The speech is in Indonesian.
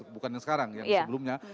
bukan yang sekarang yang sebelumnya